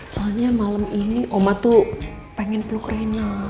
soalnya malam ini oma tuh pengen peluk rena